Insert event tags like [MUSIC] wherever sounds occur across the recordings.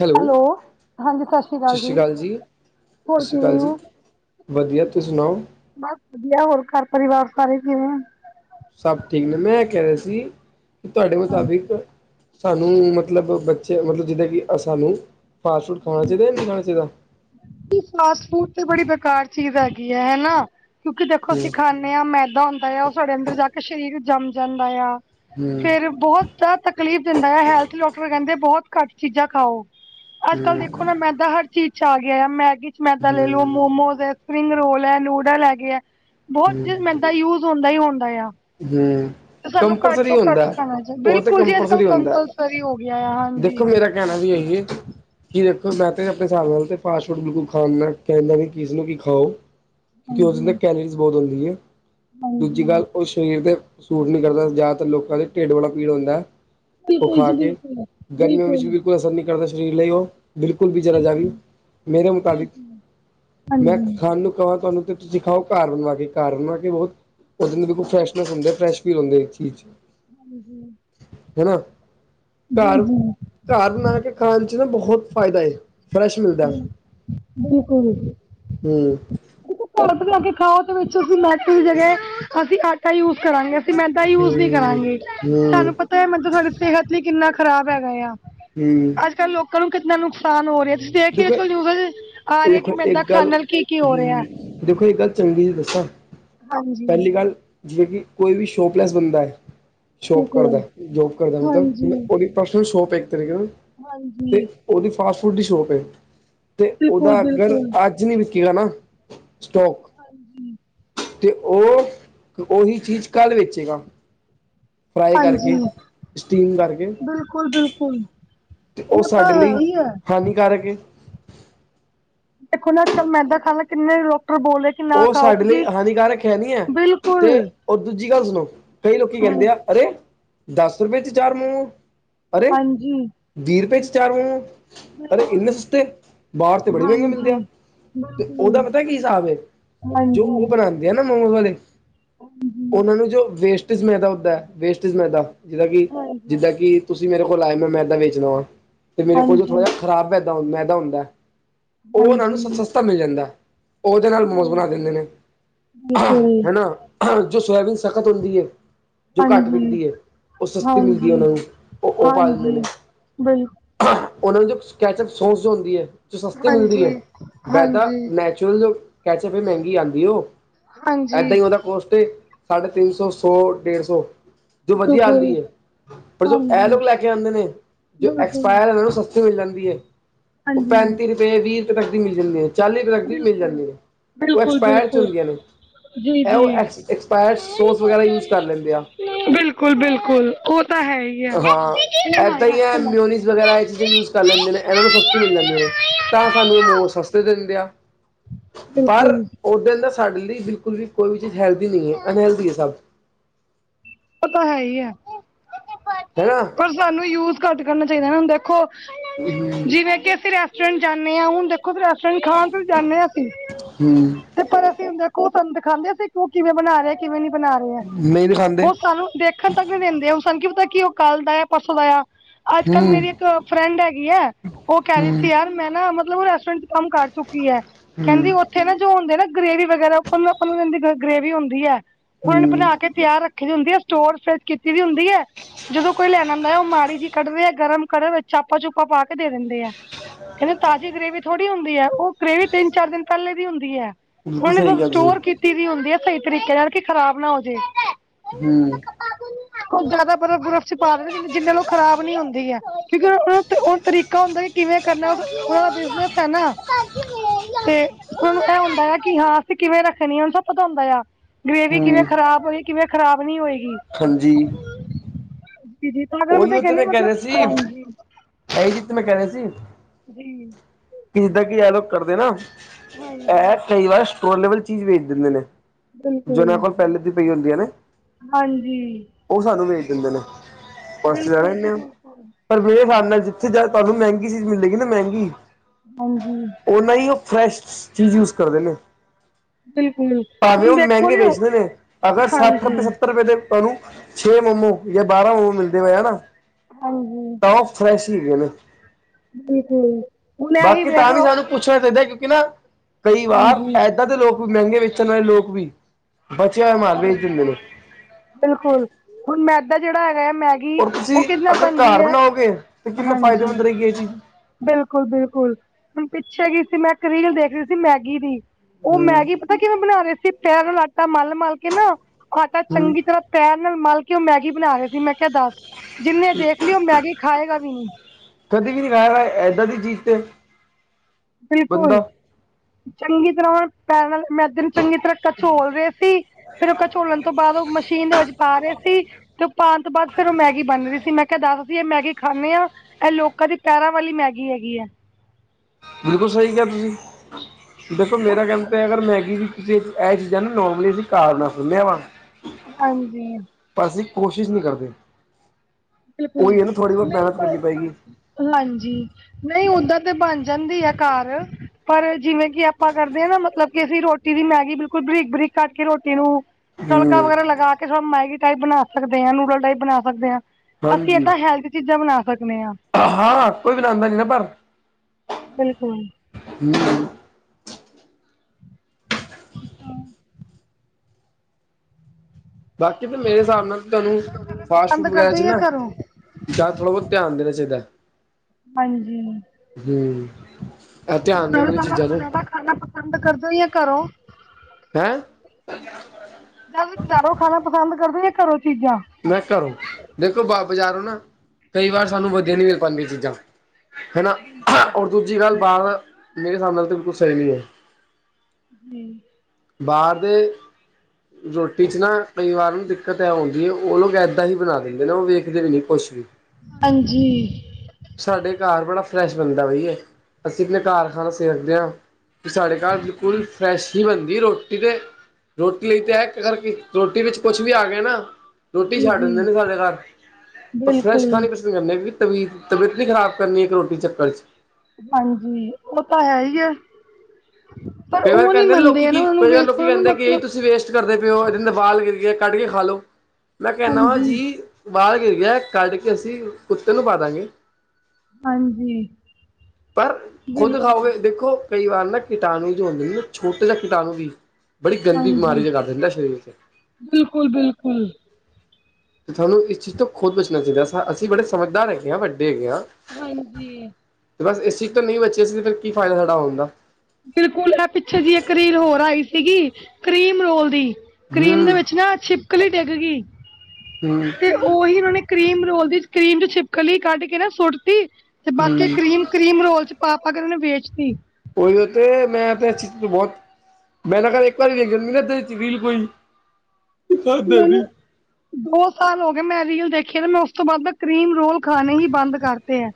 Hello ਹਾਂਜੀ ਸਤਿ ਸ਼੍ਰੀ ਅਕਾਲ ਸਸ਼੍ਰੀ ਕਾਲ ਜੀ। ਹੋਰ ਸਸ੍ਰੀ ਕਿਵੇਂ ਕਾਲ ਜੀ ਹੋ? ਵਧੀਆ ਤੁ ਸੁਣਾਓ? ਬਸ ਵਧੀਆ ਹੋਰ ਘਰ ਪਰਿਵਾਰ ਸਾਰੇ ਕਿਵੇਂ ਆ। ਸਭ ਠੀਕ ਨੇ ਮੈਂ ਕਹਿ ਰਿਹਾ ਸੀ ਕਿ ਤੁਹਾਡੇ ਹਾਂਜੀ ਮੁਤਾਬਿਕ ਸਾਨੂੰ ਮਤਲਬ ਬੱਚੇ ਮਤਲਬ ਜਿੱਦਾਂ ਕਿ ਸਾਨੂੰ ਫਾਸਟ ਫੂਡ ਖਾਣਾ ਚਾਈਦਾ ਜਾਂ ਨਈ ਖਾਣਾ ਚਾਈਦਾ? ਫਾਸਟ ਫੂਡ ਤੇ ਬੜੀ ਬੇਕਾਰ ਚੀਜ਼ ਹੈਗੀ ਹੈ ਹਨਾ ਕਿਉਂਕਿ ਦੇਖੋ ਹੂੰ ਅਸੀਂ ਖਾਂ ਦੇ ਮੈਦਾ ਹੁੰਦਾ ਆ ਉਹ ਸਾਡੇ ਅੰਦਰ ਜਾ ਕੇ ਸਰੀਰ ਜੰਮ ਜਾਂਦਾ ਆ ਹੂੰ ਫੇਰ ਬਹੁਤ ਤਾਂ ਤਕਲੀਫ਼ ਦਿੰਦਾ ਹੈ ਹੈਲਥ ਡਾਕਟਰ ਕੈਂਦੇ ਬਹੁਤ ਘੱਟ ਚੀਜ਼ਾਂ ਖਾਓ। ਕੱਲ ਹੂੰ ਦੇਖੋ ਨਾ ਮੈਦਾ ਹਰ ਚੀਜ਼ 'ਚ ਆ ਗਿਆ ਆ ਮੈਗੀ 'ਚ ਮੈਦਾ ਲੈ ਲਓ ਹੂੰ ਮੋਮੋਜ਼ ਹੈ। ਸਪਿੰਗ ਰੋਲ ਹੈ ਨੂਡਲ ਹੈਗੇ ਹੈ ਬਹੁਤ ਹੂੰ ਚੀਜ਼ ਮੈਦਾ ਯੂਜ ਹੁੰਦਾ ਹੀ ਹੁੰਦਾ ਆ। ਹੂੰ। ਤੇ ਸਾਨੂੰ ਘੱਟ ਕੰਪਲਸਰੀ ਤੋਂ ਘੱਟ ਹੁੰਦਾ ਖਾਣਾ ਚਾਹੀ ਉਹ ਤਾਂ ਬਿਲਕੁਲ ਜੀ ਅੱਜ-ਕੱਲ ਕੰਪਲਸਰੀ ਹੁੰਦਾ ਕੰਪਲਸਰੀ ਹੋ ਗਿਆ ਆ ਹਾਂਜੀ। ਦੇਖੋ ਮੇਰਾ ਕਹਿਣਾ ਵੀ ਇਹੀ ਹੈ। ਕੀ ਵੇਖੋ ਮੈਂ ਤੇ ਆਪਣੇ ਹਿਸਾਬ ਨਾਲ ਤੇ ਫਾਸਟ ਫੂਡ ਬਿਲਕੁਲ ਖਾਣ ਐ ਕਹਿੰਦਾ ਨਹੀਂ ਕਿਸਨੂੰ ਕੀ ਖਾਓ। ਕਿਉਂਕਿ ਉਸ ਹਾਂਜੀ ਕੈਲਰੀਜ਼ ਬਹੁਤ ਹੁੰਦੀ ਹੈ ਹਾਂਜੀ ਦੂਜੀ ਗੱਲ ਓ ਸਰੀਰ ਦੇ ਸੂਟ ਨਹੀਂ ਕਰਦਾ ਜ਼ਿਆਦਾਤਰ ਲੋਕਾਂ ਦੇ ਢਿੱਡ ਬੜਾ ਪੀੜ ਹੁੰਦੈ ਉਹ ਬਿਲਕੁਲ ਖਾ ਜੀ ਕੇ ਬਿਲਕੁਲ ਗਰਮੀਆਂ ਵਿੱਚ ਬਿਲਕੁਲ ਵੀ ਕੋਈ ਅਸਰ ਨਹੀਂ ਕਰਦਾ ਸਰੀਰ ਲਈ ਉਹ ਬਿਲਕੁਲ ਵੀ ਜਰਾ ਜਿਹਾ ਬਿਲਕੁਲ ਵੀ‌ ਮੇਰੇ ਮੁਤਾਬਿਕ ਬਿਲਕੁਲ ਮੈਂ ਹਾਂਜੀ ਖਾਣ ਨੂੰ ਕਵਾਂ ਤੁਹਾਨੂੰ ਤੇ ਤੁਸੀਂ ਖਾਓ ਘਰ ਬਣਵੇ ਕੇ ਘਰ ਬਣਾਕੇ ਬਹੁਤ ਉਹਦੇ ਨਾਲ ਦੇਖੋ ਫਰੈਸ਼ਨੈਸ ਹੁੰਦੇ ਫਰੈਸ਼ ਫੀਲ ਹੁੰਦੇ ਚੀਚ ਹਾਂਜੀ ਹਨਾ ਜੀ ਘਰ ਜੀ ਘਰ ਣਾ ਕੇ ਖਾਣ ਚ ਨਾ ਬਹੁਤ ਫਾਇਦਾ ਏ। ਫਰੈਸ਼ ਮਿਲਦਾ। ਬਿਲਕੁਲ ਜੀ। ਹੂੰ। ਭਾਰਤ ਲਾ ਕੇ ਖਾਓ ਤੇ ਵਿੱਚ ਅਸੀਂ ਮੈਟ ਦੀ ਜਗ੍ਹ ਅਸੀਂ [UNINTELLIGIBLE] ਯੂਜ ਕਰਾਂਗੇ ਅਸੀਂ ਮੈਦਾ ਯੂਜ ਨੀ ਹੂੰ ਕਰਾਂਗੇ ਹੂੰ ਸਾਨੂੰ ਪਤਾ ਮੈਨੂੰ ਸਾਡੇ ਸਿਹਤ ਲਈ ਕਿੰਨਾ ਖਰਾਬ ਹੈਗਾ ਆ। ਹੂੰ। ਅੱਜ-ਕੱਲ੍ਹ ਲੋਕਾਂ ਨੂੰ ਕਿਤਨਾ ਨੁਕਸਾਨ ਹੋ ਰਿਹਾ। [UNINTELLIGIBLE] ਦੇਖ ਕੇ ਦੇਖੋ ਕੋਲ ਨਿਊਜ਼ਲ ਆ ਰਿਹਾ ਕਿ ਦੇਖੋ ਇੱਕ ਮੈਦਾ ਖਾਨ ਗੱਲ ਨਾਲ ਕੀ ਕੀ ਹੋ ਰਿਆ। ਹੂੰ ਦੇਖੋ ਇੱਕ ਗੱਲ ਚੰਗੀ ਦੱਸਾਂ ਹਾਂਜੀ ਪਹਿਲੀ ਗੱਲ ਜੇ ਕੇ ਕੋਈ ਵੀ ਸ਼ੋਪਲੈਸ ਬੰਦਾ ਐ ਸ਼ੋਪ ਬਿਲਕੁਲ ਕਰਦਾ ਜੋਬ ਕਰਦਾ ਹਾਂਜੀ, ਮਤਲਬ ਓਂਦੀ ਪਰਸ਼ਨਲ ਸ਼ੋਪ ਏ ਏਕ ਤਰੀਕੇ ਨਾਲ ਹਾਂਜੀ, ਤੇ ਉਹਦੀ ਫਾਸਟ ਫੂਡ ਦੀ ਸ਼ੋਪ ਏ। ਤੇ ਓਦਾ ਅਗਰ ਬਿਲਕੁਲ-ਬਿਲਕੁਲ, ਅੱਜ ਨੀ ਵਿਕੇਗਾ ਨਾ ਸਟੋਕ ਹਾਂਜੀ। ਤੇ ਉਹ ਉਹੀ ਚੀਜ਼ ਕੱਲ ਵੇਚੇਗਾ। ਫਰਾਈ ਕਰਕੇ ਹਾਂਜੀ, ਸਟੀਮ ਕਰਕੇ ਬਿਲਕੁਲ ਬਿਲਕੁਲ। ਤੇ ਉਹ ਸਾਡੇ ਲਈ ਹਾਨੀਕਾਰਕ ਏ। ਦੇਖੋ ਨਾ ਅਜ-ਕੱਲ ਮੈਦਾ ਖਾਵ ਕਿੰਨੇ ਡਾਕਟਰ ਬੋਲ ਕਿ ਨਾ ਉਹ ਖਾਓ ਸਾਡੇ ਕਿਉਂਕਿ ਲਈ ਹਾਨੀਕਾਰਕ ਹੈ ਨਹੀਂ ਹੈ ਤੇ ਬਿਲਕੁਲ, ਔਰ ਦੂਜੀ ਗੱਲ ਸੁਣੋ ਕਈ ਲੋਕੀ ਕਹਿੰਦੇ ਆ ਹਾਂਜੀ, ਅਰੇ ਦਸ ਰੁਪਏ 'ਚ ਚਾਰ ਮੋਮੋ ਅਰੇ ਹਾਂਜੀ ਵੀਹ ਰੁਪਏ 'ਚ ਚਾਰ ਮੋਮੋ ਅਰੇ ਇੰਨੇ ਬਿਲਕੁਲ, ਸਸਤੇ ਬਾਹਰ ਤੇ ਬੜੇ ਮਹਿੰਗੇ ਮਿਲਦੇ ਹਾਂਜੀ। ਆ। ਤੇ ਉਹਦਾ ਬਿਲਕੁਲ, ਪਤਾ ਕੀ ਹਿਸਾਬ ਹੈ ਹਾਂਜੀ, ਜੋ ਹਾਂਜੀ, ਹਾਂਜੀ। ਉਹ ਬਣਾਂਦੇ ਆ ਨਾ ਮੋਮੋਸ ਵਾਲੇ ਉਹਨਾਂ ਨੂੰ ਜੋ ਵੇਸਟ ਕਿਸ ਬੇਸ ਦਾ ਹੁੰਦਾ ਵੇਸਟ ਚ ਮੈਦਾ ਜਿਹੜਾ ਕਿ ਹਾਂਜੀ, ਹਾਂਜੀ, ਜਿੱਦਾਂ ਕਿ। ਤੁਸੀਂ ਮੇਰੇ ਕੋਲ ਆਏ, ਮੈਂ ਮੈਂਦਾ ਵੇਚ ਦਵਾਂ ਤੇ ਮੇਰੇ ਕੋਲ ਥੋੜ੍ਹਾ ਹਾਂਜੀ, ਜਿਹਾ ਖਰਾਬ ਮੈਦਾ, ਮੈਦਾ ਹੁੰਦਾ ਐ। ਉਹ ਉਹਨਾਂ ਨੂੰ ਸ ਬਿਲਕੁਲ। ਸਸਤਾ ਮਿਲ ਜਾਂਦਾ, ਉਹਦੇ ਨਾਲ ਮੋਮੋਜ਼ ਬਣਾ ਦਿੰਦੇ ਨੇ, ਹੈ ਜੋ ਸੋਇਆਬੀਨ ਸਖ਼ਤ ਹੁੰਦੀ ਹੈ ਜੋ ਘੱਟ ਹਾਂਜੀ, ਵਿਕਦੀ ਏ, ਉਹ ਸਸਤੀ ਮਿਲਦੀ ਏ ਹਾਂਜੀ, ਉਹਨਾਂ ਨੂੰ, ਉਹ-ਉਹ ਪਾ ਦਿੰਦੇ ਹਾਂਜੀ। ਨੇ। ਬਿਲ [UNINTELLIGIBLE] ਔਦੇ ਵਿੱਚ ਸ ਕੈਚਅਪ ਸੋਸ ਜੀ ਹੁੰਦੀ ਹ ਐ। ਜੋ ਸਸਤੀ ਮਿਲਦੀ ਹੈ। ਹਾਂਜੀ, ਮੈਦਾ ਹਾਂਜੀ, ਨੈਚੁਰਲ ਜੋ। ਫਿਰ ਵੀ ਮਹਿੰਗੀ ਆਂਉਦੀ ਉਹ, ਹਾਂਜੀ, ਏਦਾਂ ਈ ਉਹਦਾ ਕੋਸਟ ਏ ਸਾਢੇ ਤਿੰਨ ਸੌ, ਸੌ, ਡੇਢ ਸੌ। ਜੋ ਵਧੀਆ ਬਿਲਕੁਲ, ਆਦੀ ਏ, ਪਰ ਜੋ ਐ ਹਾਂਜੀ, ਲੋਗ ਲੈ ਏ ਆਂਦੇ ਨੇ, ਜੇ ਬਿਲਕੁਲ, ਐਕਸਪਾਇਰ ਔਨਾਂ ਨੂੰ ਸਸਤੀ ਮਿਲ ਜਾਂਦੀ ਹ ਏ, ਔ ਹਾਂਜੀ, ਪੈਂਤੀ ਰੁ ਤੇ ਵੀਹ ਰੁਪਏ ਤੱਕ ਦੀ ਮਿਲ ਜਾਂਦੀ ਹੈ, ਚਾਲੀ ਰੁਪਏ ਤੱਕ ਦੀ ਵੀ ਮਿਲ ਬਿਲਕੁਲ। ਜਾਂਦੀ ਹੈ, ਉਹ ਬਿਲਕੁਲ, ਐਕਸਪਾਇਰ 'ਚ ਬਿਲਕੁਲ, ਹੁੰਦੀਆਂ ਨੇ ਜੀ, ਇਹ ਉਹ ਜੀ। ਐਕਸ ਐਕਸਪਾਇਰਡ ਸੋਸ ਵਗੈਰਾ ਯੂਜ ਕਰ ਲੈਂਦੇ ਆ। ਬਿਲਕੁਲ -ਬਿਲਕੁਲ ਔ ਤਾਂ ਹੈ ਈ ਆ [UNINTELLIGIBLE] ਮਿਉਨੀਜ਼ ਵਗੈਰਾ ਇਹ ਚੀਜ਼ਾਂ ਯੂਜ ਕਰ ਲੈਂਦੇ ਨੇ ਇਹਨਾਂ ਨੂੰ ਸਸਤੇ ਮਿਲ ਜਾਂਦੇ ਨੇ, ਤਾਂ ਸਾਨੂੰ ਇਹ ਮੋਮੋਸ ਸਸਤੇ ਦਿੰਦੇ ਆ। ਪਰ ਉੱਦਣ ਦਾ ਸਾਡੇ ਲੀ ਬਿਲਕੁਲ ਵੀ ਕੋਈ ਵੀ ਚੀਜ਼ ਹੈਲਦੀ ਨੀ ਐ, ਅਨਹੈਲਦੀ ਏ ਸਭ। ਉਹ ਤੇ ਹੈ ਹੀ ਏ ਹੈਣਾ ਸਾਨੂੰ ਯੂਜ ਘੱਟ ਕਰਨਾ ਚਾਹੀਦਾ ਹੁਣ ਦੇਖੋ, ਜਿਵੇਂ ਕਿ ਅਸੀਂ ਰੇ ਰੈਸਟੋਰੈਂਟ ਜਾਂਦੇ ਹਾਂ, ਹੁਣ ਦੇਖੋ ਰੈਸਟੋਰੈਂਟ ਖਾਣ ਤਾਂ ਜਾਂਦੇ ਹਾਂ ਅਸੀਂ। ਹਮ ਤੇ ਪਰ ਅਸੀਂ ਦੇਖੋ ਸਾਨੂੰ ਦਿਖਾਂਦੇ ਅਂ ਕਿਹਾ ਕਿਵੇਂ ਬਣਾ ਰਹੇ ਕਿਵੇਂ ਦੀ ਬਣਾ ਰਿਹਾ ਹੈ, ਨਹੀਂ ਨੀ ਖਾਂਦੇ ਉਹ ਸਾਨੂੰ ਦੇਖ। ਠੰਡਾ ਕਿਉ ਦਿੰਦੇ ਆ ਉਹ ਸਾਨੂੰ ਕੀ ਪਤਾ ਕਿ ਉਹ ਕੱਲ ਦਾ ਆ ਪਰਸੋਂ ਦਾ ਆ। ਅੱਜ-ਕੱਲ ਹੂੰ ਮੇਰੀ ਇੱਕ ਫਰੈਂਡ ਹੈਗੀ ਐ, ਉਹ ਕਹਿ ਰਹੀ ਹੂੰ ਸੀ ਆ ਮੈਂ ਨਾ ਮਤਲਬ ਉਹ ਰੈਸਟੋਰੈਂਟ ਚ ਕੰਮ ਕਰ ਚੁੱਕੀ ਹੈ ਹੂੰ ਕਹਿੰਦੀ ਉੱਥੇ ਨਾ ਜੋ ਹੁੰਦੇ ਨਾ ਗਰੇਵੀ ਵਗੈਰਾ ਆਪਾਂ ਨੂੰ ਆਪਾਂ ਨੂੰ ਕਹਿੰਦੇ ਗਰੇਵੀ ਹੁੰਦੀ ਹੈ ਉਹ ਇਹਨੂੰ ਹੂੰ ਬਣਾ ਕੇ। ਤਿਆਰ ਰੱਖੀ ਦੀ ਹੁੰਦੀ ਹੈ। ਸਟੋਰ ਫੇਰ ਕੀਤੀ ਦੀ ਹੁੰਦੀ ਹੈ। ਜਦੋਂ ਕੋਈ ਲੈਣ ਆਂਦਾ ਆ, ਔ ਮਾੜੀ ਜੀ ਕੱਢ ਰਿਆ ਗਰਮ ਕਰਨ ਚ ਚਾਪਾ ਚੁੱਪਾ ਪਾ ਕੇ ਦੇ ਦਿੰਦੇ ਐ। ਕਹਿੰਦੇ ਤਾਜ਼ੀ ਗ੍ਰੇਵੀ ਥੋੜ੍ਹੀ ਹੁੰਦੀ ਹੈ। ਉਹ ਗ੍ਰੇਵੀ ਤਿੰਨ- ਚਾਰ ਦਿਨ ਪਹਿਲੇ ਦੀ ਹੁੰਦੀ ਹੈ। ਓਹਨਾ ਬਿਲਕੁਲ ਨੇ ਸਹੀ ਬਸ ਕਿਹਾ ਤੁਸੀਂ ਸਟੋਰ ਕੀਤੀ ਦੀ ਹੁੰਦੀ ਆ ਸਹੀ ਤਰੀਕੇ ਨਾਲ ਕਿ ਖ਼ਰਾਬ ਨਾ ਹੋ ਜੇ ਹੂੰ। ਉਹ ਜ਼ਿਆਦਾ ਬਰਫ਼ ਬਰਫ਼ 'ਚ ਪਾ ਦਿੰਦੇ ਜਿੰਨਾ ਨਾਲ ਖਰਾਬ ਨੀ ਹੁੰਦੀ ਹੈ ਕਿਉਂਕਿ ਉਹਨੂੰ ਤਰੀਕਾ ਹੁੰਦਾ। ਕਿਵੇਂ ਕਰਨਾ, ਉਹ ਦਾ ਬਿਜਨਸ ਹੈ ਨਾ, ਤੇ ਔਨੂੰ ਐ ਹੁੰਦਾ ਆ ਕਿ ਹਾਂ, ਅਸੀ ਕਿਵੇਂ ਰੱਖਣੀ ਏ ਔਨੂੰ ਸਭ ਪਤਾ ਹੁੰਦਾ ਯਾ ਗ੍ਰੇਵੀ ਕਿਵੇਂ ਹੂੰ ਖਰਾਬ ਹੋਈ। ਕਿਵੇਂ ਖ਼ਰਾਬ ਨੀ ਹੋਏਗੀ ਹਾਂਜੀ! ਪੀ ਜੀ ਤਾਂ ਕਰ ਔਨੂ ਕੈਂਦੇ ਮਤਲਬ, ਹਾਂਜੀ। ਐਈ ਚਿਜ ਤੇ ਮੈ ਕੈ ਰੈ ਆ ਸੀ। ਜੀ। ਕਿ ਜਿੱਦਾਂ ਕਿ ਏ ਲੋਕ ਕਰਦੇ ਨਾ, ਇਹ ਹਾਂਜੀ ਕਈ ਵਾ ਥੋਲਵਰ ਚੀਜ਼ ਵੇਚ ਦਿੰਦੇ ਨੇ, ਜੇਨਾ ਬਿਲਕੁਲ ਕੋਲ ਪੈਲੇ ਦੀ ਪਈ ਹੰਦੀ ਹੈ। ਨਾ ਹਾਂਜੀ ਉਹ ਸਾਨੂੰ ਵੇਚ ਦੇਂਦੇ ਨੇ ਬਸ 'ਚ ਜਾ ਰਹੇ ਬਿਲਕੁਲ ਜੀ ਨੇ ਬਿਲਕੁਲ ਪਰ ਮੇਰੇ ਹਿਸਾਬ ਨਾਲ ਜਿੱਥੇ ਜਾ ਤੁਹਾਨੂੰ ਮਹਿੰਗੀ ਚੀਜ਼ ਮਿਲੇਗੀ ਨਾ ਮਹਿੰਗੀ। ਹਾਂਜੀ ਉਨਾਂ ਹੀ, ਉਹ ਫਰੈਸ਼ ਚੀਜ਼ ਯੂਜ ਕਰਦੇ ਨੇ। ਬਿਲਕੁਲ ਭਾਵੇਂ ਹੁਣ ਉਹ ਦੇਖੋ ਮਹਿੰਗੇ ਨਾ ਵੇਚਦੇ ਨੇ, ਅਗਰ ਸੱਠ ਹਾਂਜੀ ਰੁਪਏ, ਸੱਤਰ ਰੁਪਏ ਦੇ। ਤੁਹਾਨੂੰ ਛੇ ਮੋਮੋ ਜਾਂ ਬਾਰਾਂ ਮੋਮੋ ਮਿਲਦੇ ਪਏ ਨਾ ਹਾਂਜੀ। ਤਾਂ ਉਹ ਫਰੈਸ਼ ਹੀ ਹੈਗੇ ਨੇ। ਬਿਲਕੁਲ, ਹੁਣ ਇਹੀ ਬਾਕੀ ਤਾਂ ਵੀ ਵੇਖਲੋ। ਸਾਨੂੰ ਪੁੱਛਣਾ ਚਾਹੀਦਾ ਕਿਉਂਕਿ ਨਾ, ਕਈ ਵਾਰ ਹਾਂਜੀ ਇੱਦਾਂ ਦੇ ਲੋਕ ਵੀ ਮਹਿੰਗੇ ਵੇਚਣ ਵਾਲੇ ਲੋਕ ਵੀ। ਬਚਿਆ ਹੋਇਆ ਮਾਲ ਵੇਚ ਦਿੰਦੇ ਨੂੰ। ਬਿਲਕੁਲ, ਹੁਣ ਮੈਦਾ ਜਿਹੜਾ ਹੈਗਾ ਆ ਮੈ ਗੀ ਔਰ ਉਹ ਤੁਸੀਂ ਕਿਦਨਾ ਅਗਰ ਬਣਦੀ ਘਰ ਐ, ਬਣਾਓਗੇ ਤੇ ਕਿੰਨਾ ਹਾਂਜੀ। [UNINTELLIGIBLE] ਬਿਲਕੁਲ ਬਿਲਕੁਲ ਹੁਣ ਪਿੱਛੇ ਗਈ ਸੀ ਮੈਂ ਇੱਕ ਰੀਲ ਦੇਖ ਰਹੀ ਸੀ ਮੈਗੀ ਦੀ ਉਹ ਹੂੰ ਮੈਗੀ ਪਤਾ ਕਿਵੇਂ ਬਣਾ ਰਹੇ ਸੀ ਪੈਰ ਆਲਾ ਆਟਾ ਮਲ ਮਲ ਕੇ ਨਾ ਆਟਾ ਹੂੰ ਚੰਗੀ ਤਰ੍ਹਾਂ ਪੈਰ ਨਾਲ ਮਲ ਕੇ ਉਹ ਮੈਗੀ ਬਣਾ ਰਹੇ ਸੀ ਮੈਂ ਕਿਹਾ ਦੱਸ, ਜਿੰਨੇ ਦੇਖ ਲਈ ਉਹ ਮੈਗੀ ਖਾਏਗਾ ਵੀ ਨਹੀਂ। ਕਦੇ ਵੀ ਨੀ ਇਏਦਾਂ ਦੀ ਚੀਜ਼ ਤੇ ਬਿਲਕੁਲ ਬੰਦਾ ਚੰਗੀ ਤਰ੍ਹਾਂ ਪੈਰ ਨਾਲ ਮੈਦੇ ਨੂੰ ਚੰਗੀ ਤਰ੍ਹਾਂ ਕਚੋਲ ਰਹੇ ਸੀ। ਫਿਰ ਕਚੋਲਣ ਤੋਂ ਬਾਅਦ ਔ ਮਸ਼ੀਨ ਦੇ ਵਿੱਚ ਪਾ ਰਹੇ ਸੀ ਤੇ ਪਾਉਣ ਤੋਂ ਬਾਅਦ ਫਿਰ ਉਹ ਮੈਗੀ ਬਣ ਰਹੀ ਸੀ ਮੈਂ ਮੈਂ ਕਿਹਾ ਦੱਸ ਦੇਈਏ ਮੈਗੀ ਖਾਂਦੇ ਹਾਂ, ਇਹ ਲੋਕਾਂ ਦੀ ਪੈਰਾਂ ਵਾਲੀ ਮੈਗੀ ਹੈਗੀ ਹੈ। ਬਿਲਕੁਲ ਸਹੀ ਕਿਹਾ ਤੁਸੀਂ। ਦੇਖੋ ਮੇਰਾ ਕਹਿਣਾ ਤਾਂ ਅਗਰ ਮੈਗੀ ਦੀ ਕਿਸੇ ਇਹ ਚੀਜ਼ਾਂ ਨੂੰ ਨੋਰਮਲੀ ਅਸੀਂ ਘਰ ਬਣਾ ਸਕਦੇ ਆ ਵਾ। ਹਾਂਜੀ ਪਰ ਅਸੀਂ ਕੋਸ਼ਿਸ਼ ਨਹੀਂ ਕਰਦੇ ਬਿਲਕੁਲ ਉਹੀ ਹੈ ਨਾੂੰ ਥੋੜ੍ਹੀ ਬਹੁਤ ਨਹੀਂ ਮਿਹਨਤ ਬ ਕਰਨੀ ਪਏਗੀ ਹਾਂਜੀ ਨੀ ਔਦਾਂ ਤੇ ਬਣ ਜਾਂਦੀ ਏ ਕਾਰ। ਪਰ ਜਿਵੇਂ ਕਿ ਆਪਾਂ ਕਰਦੇ ਆ ਨਾ ਮਤਲਬ ਕਿ ਅਸੀਂ ਰੋਟੀ ਦੀ ਮੈਗੀ ਬਿਲਕੁਲ ਬਰੀਕ-ਬਰੀਕ ਕਰਕੇ ਰੋਟੀ ਨੂੰ ਤੜਕਾ ਹੂੰ ਵਗੈਰਾ ਲਗਾ ਕੇ ਮੈਗੀ ਟਾਈਪ ਬਣਾ ਸਕਦੇ ਹਾਂ। ਨੂਡਲ ਟਾਈਪ ਬਣਾ ਸਕਦੇ ਹਾਂ। ਅਸੀਂ ਹਾਂਜੀ ਏਦਾਂ ਹੈਲਥ ਚੀਜ਼ਾਂ ਬਣਾ ਸਕਦੇ ਹਾਂ। [UNINTELLIGIBLE] ਬਿਲਕੁਲ। [UNINTELLIGIBLE] ਹਾਂ ਬਾਕੀ ਤੇ ਮੇਰੇ ਹਿਸਾਬ ਨਾਲ ਤੁਹਾਨੂੰ ਫਾਸਟ ਪਸੰਦ ਫੂਡ ਵਗੈਰਾ ਕਰਦੇ ਚ ਹੀ ਆ ਨਾ ਘਰੋਂ ਜਾਂ ਥੋੜ੍ਹਾ ਬਹੁਤ ਧਿਆਨ ਦੇਣਾ ਚਾਹੀਦਾ ਹੈ। ਹਾਂਜੀ ਹੁੰ ਇਹ ਤੁਸੀਂ ਧਿਆਨ ਦੇਨ ਬਜ਼ਾਰੋਂ ਵਾਲੀ ਖਾਣਾ ਚੀਜ਼ਾਂ ਦੇ ਜ਼ਿਆਦਾ ਖਾਣਾ ਪਸੰਦ ਕਰਦੇ ਏ ਘਰੋਂ। ਹੈਂ। ਬਜਾਰੋਂ ਖਾਣਾ ਪਸੰਦ ਕਰਦੇ ਜਾਂ ਘਰੋਂ ਚੀਜ਼ਾਂ ਮੈਂ ਘਰੋਂ ਦੇਖੋ ਬ ਬਜ਼ਾਰੋ ਨਾ ਕਈ ਵਾਰ ਸਾਨੂੰ ਵਧੀਆ ਨੀ ਮਿਲ ਪਾਂਦੀ ਚੀਜ਼ਾਂ ਹਨਾ। ਔਰ ਦੂਜੀ ਗੱਲ ਬਾਅਦ ਮੇਰੇ ਹਿਸਾਬ ਨਾਲ ਤੇ ਬਿਲਕੁਲ ਸਹੀ ਐ। ਜੀ ਬਾਹਰ ਦੇ ਰੋਟੀ 'ਚ ਨਾ ਕਈ ਵਾਰ ਨੂੰ ਦਿੱਕਤ ਇਹ ਹੁੰਦੀ ਜੀ ਉਹ ਲੋਕ ਇੱਦਾਂ ਹੀ ਬਣਾ ਦਿੰਦੇ ਨਾ ਉਹ ਵੇਖਦੇ ਵੀ ਨਹੀਂ ਕੁਛ ਵੀ ਹਾਂਜੀ। ਸਾਡੇ ਘਰ ਬੜਾ ਫਰੈਸ਼ ਬਣਦਾ ਬਈਏ ਅਸੀਂ ਘਰ ਖਾਣਾ ਸੇ ਸਕਦੇ ਹਾਂ ਕਿ ਸਾਡੇ ਘਰ ਬਿਲਕੁਲ ਫਰੈਸ਼ ਹੀ ਬਣਦੀ ਰੋਟੀ ਤੇ ਰੋਟੀ ਲਈ 'ਤੇ ਐ ਇਕ ਕਰਕੇ ਰੋਟੀ ਵਿੱਚ ਕੁਛ ਵੀ ਆ ਗਿਆ ਨਾ ਰੋਟੀ ਜੀ ਛੱਡ ਜੀ ਦਿੰਦੇ ਨੇ ਸਾਡੇ ਘਰ ਪਰ ਫਰੈਸ਼ ਬਿਲਕੁਲ ਖਾਣੀ ਪਸੰਦ ਕਰਦੇ ਕਿਉਕ ਤਬੀਅਤ ਨੀ ਖਰਾਬ ਕਰਨੀ ਇੱਕ ਰੋਟੀ ਚੱਕਰ 'ਚ। ਹਾਂਜੀ ਉਹ ਤਾਂ ਹੈ ਹੀ ਹੈ। ਪਰ ਕਈ ਵਾਰ ਉਹ ਨੀ ਕਹਿੰਦੇ ਨੇ ਮੰਨਦੇ ਲੋਕੀ ਆ ਨਾ ਕੀ ਉਹਨਾਂ ਨੂੰ ਕਈ ਵਾਰ ਲੋਕੀ ਵੇਚਣ ਨੂੰ ਕਹਿੰਦੇ ਕਿ ਇਹ ਮਤਲਬ ਤੁਸੀਂ ਵੇਸਟ ਕਰਦੇ ਪਏ ਹੋ ਬਾਲ ਕੱਢ ਕੇ ਖਾ ਲਓ ਮੈਂ ਕਿਹਾ ਨਾ ਹਾਂਜੀ ਜੀ ਬਾਹਰ ਗਿਰ ਗਿਆ ਕੱਢ ਕੇ ਅਸੀਂ ਕੁੱਤੇ ਨੂੰ ਪਾ ਦਾਂਗੇ ਹਾਂਜੀ। ਪਰ ਖੁਦ ਬਿਲਕੁਲ ਖਾਓਗੇ, ਦੇਖੋ ਕਈ ਵਾਰ ਨਾ ਕੀਟਾਣੂ ਜੋ ਹੁੰਦੇ ਨੇ ਛੋਟੇ ਜਿਹੇ ਕੀਟਾਣੂ ਵੀ ਬੜੀ ਗੰਦੀ ਬਿਮਾਰੀ ਹਾਂਜੀ ਚ ਕਰ ਦਿੰਦਾ ਸਰੀਰ ਚ ਬਿਲਕੁਲ ਬਿਲਕੁਲ। ਤੁਹਾਨੂੰ ਇਸ ਚੀਜ਼ ਤੋਂ ਖੁਦ ਬਚਣਾ ਚਾਹੀਦਾ ਅਸੀਂ ਬੜੇ ਸਮਝਦਾਰ ਹੈਗੇ ਹਾਂ ਵੱਡੇ ਹੈਗੇ ਹਾਂ। ਹਾਂਜੀ ਤੇ ਬਸ ਇਸ ਚੀਜ਼ ਤਾਂ ਨਹੀਂ ਬਚੇ ਸੀ ਫੇਰ ਕੀ ਫਾਇਦਾ ਬਿਲਕੁਲ ਇਹ ਪਿੱਛੇ ਜਿਹੀ ਇਕ ਰੀਲ ਹੋਰ ਆਈ ਸੀਗੀ ਕਰੀਮ ਰੋਲ ਦੀ। ਕਰੀਮ ਦੇ ਹੂੰ ਵਿੱਚ ਨਾ ਛਿਪਕਲੀ ਡਿੱਗ ਗਈ। ਹਮ। ਤੇ ਉਹੀ ਉਹ ਨੇ ਕਰੀਮ ਰੋਲ‌ ਦੀ ਕਰੀਮ ਚ ਛਿਪਕਲੀ ਕੱਢ ਕੇ ਨਾ ਸੁੱਟਤੀ ਤੇ ਬਾਕੀ ਹੂੰ ਕਰੀਮ ਕਰੀਮ ਰੋਲ ਚ ਪਾ, ਪਾ ਕੇ ਉਨੇ ਵੇਚਤੀ। ਉਹੀੳ ਤੇ ਮੈਂ ਤਾਂ ਇਹ ਚਿੱਜ ਤੋਂ ਬਹੁਤ ਮੈਂ ਨਾ ਕਰ ਇੱਕ ਵਾਰੀ ਜਾਂਦੀ ਨਾ ਰੀਲ ਕੋਈ ਮੈਨੂੰ ਉਹੀ ਦੋ ਸਾਲ ਹੋ ਗਏ ਮੈਂ ਰੀਲ ਦੇਖਿਆ ਮੈਂ ਉਸ ਤੋਂ ਬਾਅਦ ਕਰੀਮ ਰੋਲ ਖਾਣੇ ਹੀ ਬੰਦ ਕਰਤੇ ਹੈ।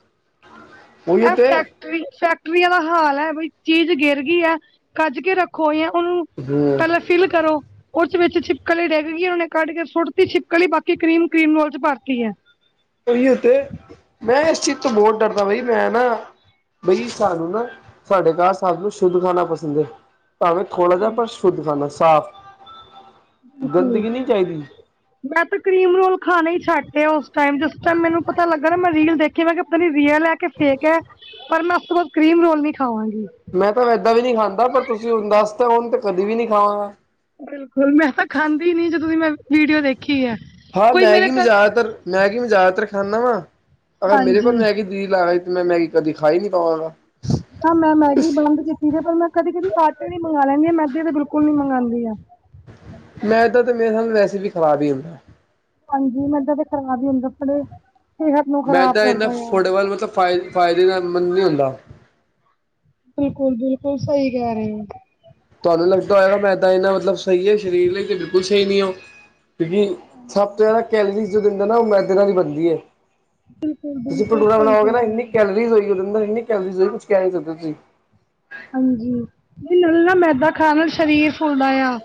ੳਹੀੳ ਇਹ ਤੇ ਫੈਕਟਰੀ ਫੈਕਟਰੀਆਂ ਦਾ ਹਾਲ ਹੈ ਬਈ ਚੀਜ਼ ਗਿਰ ਗਈ ਹੈ ਕੱਜ ਕੇ ਰੱਖੋ ਇਹ ਉਹਨੂੰ ਹਮ ਪਹਿਲਾਂ ਫਿਲ ਕਰੋ। ਉਸ ਵਿੱਚ ਛਿਪਕਲੀ ਡਿੱਗ ਗਈ, ਉਹਨੇ ਕੱਢ ਕੇ ਸੁੱਟਤੀ ਛਿਪਕਲੀ ਬਾਕੀ ਕਰੀਮ, ਕਰੀਮ ਰੋਲ ਚ ਪਾਤੀ ਹੈ। ਉਹੀ ਉੱਥੇ ਮੈਂ ਇਸ ਚੀਜ਼ ਤੋਂ ਬਹੁਤ ਡਰਦਾ ਬਾਈ ਮੈਂ ਨਾ ਬਈ ਸਾਨੂੰ ਨਾ ਤੁਹਾਡੇ ਘਰ ਸਬ ਨੂੰ ਸ਼ੁੱਧ ਖਾਣਾ ਪਸੰਦ ਹੈ। ਖੋੜਾ ਜਾ ਪਰ ਸ਼ੁੱਧ ਸਾਫ਼। ਹਮ ਗੰਦਗੀ ਨਹੀਂ ਚਾਹੀਦੀ ਮੈਂ ਤਾਂ ਕਰੀਮ ਰੋਲ ਖਾਣਾ ਹੀ ਛੱਡ ਆ ਉਸ ਟਾਈਮ ਜਿਸ ਟਾਈਮ ਮੈਨੂੰ ਪਤਾ ਲੱਗਾ ਨਾ ਮੈਂ ਰੀਲ ਦੇਖਿਆ ਮੈਂ ਕਿਹਾ ਪਤਾ ਨੀ ਰੀਅਲ ਹੈ ਕਿ ਫੇਕ ਹੈ ਪਰ ਮੈਂ ਉਸ ਤੋਂ ਬਾਅਦ ਕਰੀਮ ਰੋਲ ਨੀ ਖਾਵਾਂਗੀ। ਮੈਂ ਤਾਂ ਇੱਦਾਂ ਵੀ ਨਹੀ ਖਾਂਦਾ, ਪਰ ਤੁਸੀਂ ਹੁਣ ਦੱਸ ਤਾਂ ਹੁਣ ਤੇ ਕਦੀ ਵੀ ਨਹੀਂ ਖਾਵਾਂਗਾ। ਬਿਲਕੁਲ ਮੈਂ ਤਾਂ ਖਾਂਦੀ ਨੀ, ਜਦੋਂ ਦੀ ਮੈਂ ਵੀਡੀਓ ਦੇਖੀ ਐ ਹਾਂ ਮੈਗੀ ਮੈਂ ਜ਼ਿਆਦਾਤਰ ਮੈਗੀ ਮੈਂ ਜ਼ਿਆਦਾਤਰ ਖਾਨਾ ਵਾ ਅਗਰ ਮੇਰੇ ਕੋਲ ਹਾਂਜੀ ਮੈਗੀ [UNINTELLIGIBLE] ਮੈਂ ਮੈਗੀ ਕਦੀ ਖਾ ਹੀ ਨੀ ਪਾਵਾਂਗਾ। ਹਾਂ ਮੈਂ ਮੈਗੀ ਬੰਦ ਕੀਤੀ ਸੀ ਪਰ ਮੈਂ ਕਦੀ ਕਦੀ ਆਟੇ ਦੀ ਮੰਗਵਾ ਲੈਂਦੀ ਮੈਦੇ ਦੀ ਤਾਂ ਬਿਲਕੁਲ ਨੀ ਮੰਗਵਾਉਂਦੀ ਆ। ਮੈਂ ਇਏਦਾਂ [INAUDIBLE] ਮੇਰੇ ਵੈਸੇ ਵੀ ਖ਼ਰਾਬ ਹੀ ਹੁੰਦਾ ਹੈ। ਹਾਂਜੀ ਮੈਦਾ ਤੇ ਖਰਾਬ ਹੀ ਹੁੰਦਾ, ਆਪਣੇ ਮੈਂਦਾਂ ਇੰਨਾ ਫੁੱਟਬਾਲ ਮਤਲਬ ਫ ਫਾਇਦੇਮੰਦ ਨਹੀਂ ਹੁੰਦਾ। ਬਿਲਕੁਲ ਬਿਲਕੁਲ ਸਹੀ ਕਹਿ ਰਹੇ ਹੋ ਤੁਹਾਨੂੰ ਲੱਗਦਾ ਹੋਏਗਾ ਮੈਦਾ ਇੰਨਾ ਮਤਲਬ ਸਹੀ ਹੈ ਸਰੀਰ ਲਈ ਤੇ ਬਿਲਕੁਲ ਸਹੀ ਨਹੀਂ ਉਹ। ਕਿਉਂਕਿ ਸਭ ਤੋਂ ਜ਼ਿਆਦਾ ਕੈਲਰੀਜ਼ ਜੋ ਦਿੰਦਾ ਨਾ ਉਹ ਮੈਦੇ ਨਾਲ ਹੀ ਬਣਦੀ ਹੈ। ਬਿਲਕੁਲ ਤੁਸੀਂ ਬਿਲਕੁਲ ਭਟੂਰਾ ਸਹੀ ਕਹਿ ਬਣਾਓਗੇ ਰਹੇ ਇੰਨੀ ਹੋ। ਕੈਲੋਰੀਜ਼ ਹੋਏਗੀ ਉਦੇ ਅੰਦਰ, ਇੰਨੀ ਕੈਲੋਰੀਜ਼ ਹੋਏਗੀ ਕੁਛ ਕਹਿ ਨੀ ਸਕਦੇ ਤੁਸੀਂ। ਹਾਂਜੀ ਨਹੀ‌ ਹੂੰਨ ਨਾ ਮੈਦਾ ਖਾਣ ਨਾਲ ਸਰੀਰ ਫੁੱਲਦਾ ਆ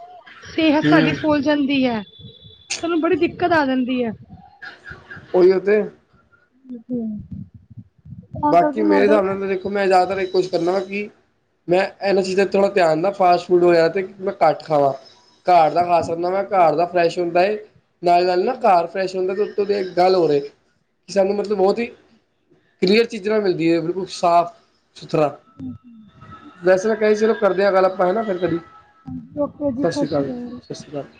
ਸਿਹਤ ਸਾਡੀ ਹੂੰ ਫੁੱਲ ਜਾਂਦੀ ਹੈ ਤੁਹਾਨੂੰ ਬੜੀ ਦਿੱਕਤ ਆ ਜਾਂਦੀ ਹੈ ਉਹੀੳ ਤੇ [INAUDIBLE] ਤਾਂ ਬਾਕੀ ਕਰਕੇ ਮੇਰੇ ਮੈਦਾ ਹਿਸਾਬ ਨਾਲ ਤਾਂ ਦੇਖੋ ਮੈਂ, ਜ਼ਿਆਦਾਤਰ ਇਹ ਕੁਛ ਕਰਨਾ ਕੀ ਮੈਂ ਇਹਨਾਂ ਚੀਜ਼ਾਂ ਤੇ ਥੋੜ੍ਹਾ ਧਿਆਨ ਨਾਲ ਫਾਸਟ ਫੂਡ ਹੋ, ਤੇ ਮੈਂ ਘੱਟ ਖਾਵਾਂ। ਘਰ ਦਾ ਖਾ ਸਕਦਾ ਮੈਂ ਘਰ ਦਾ ਫਰੈਸ਼ ਹੁੰਦਾ ਨਾਲੇ ਨਾਲ ਨਾ ਘਰ ਫੈ ਹੁੰਦਾ ਉੱੋਂ [INAUDIBLE] ਦੀ ਗੱਲ ਹੋ ਰਹੀ ਕਿ ਸਾਨੂੰ ਮਤਲਬ ਬਹੁਤ ਹੀ ਕਲੀਅਰ ਚੀਜ਼ਾਂ ਮਿਲਦੀਆਂ ਹੈ ਬਿਲਕੁਲ ਸਾਫ ਸੁਥਰਾ। ਵੈਸੇ ਤਾਂ ਕਿਹਾ ਸੀ ਚਲੋ ਕਰਦੇ ਹਾਂ ਗੱਲ ਆਪਾਂ ਹੈ ਨਾ ਫਿਰ ਕਦੀ ਸਤਿ ਸ਼੍ਰੀ ਅਕਾਲ ਜੀ ਸਤਿ ਸ਼੍ਰੀ ਅਕਾਲ